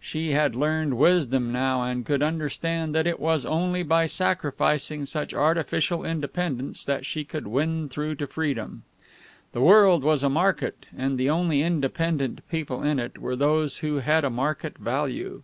She had learned wisdom now, and could understand that it was only by sacrificing such artificial independence that she could win through to freedom. The world was a market, and the only independent people in it were those who had a market value.